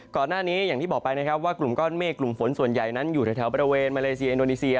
อย่างที่บอกไปนะครับว่ากลุ่มก้อนเมฆกลุ่มฝนส่วนใหญ่นั้นอยู่แถวบริเวณมาเลเซียอินโดนีเซีย